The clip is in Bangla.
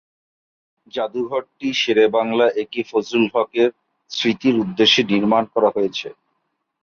জাদুঘরটি শেরে বাংলা একে ফজলুল হক এর স্মৃতির উদ্দেশ্যে নির্মাণ করা হয়েছে।